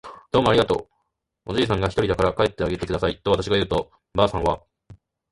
「どうもありがとう。」おじいさんがひとりだから帰ってあげてください。」とわたしが言うと、ばあさんは